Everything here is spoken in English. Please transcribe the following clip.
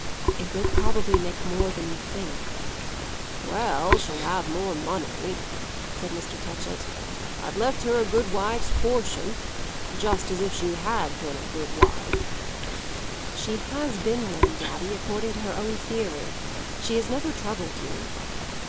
"It will probably make more than you think." "Well, she'll have more money," said Mr. Touchett. "I've left her a good wife's portion, just as if she had been a good wife." "She has been one, daddy, according to her own theory. She has never troubled you."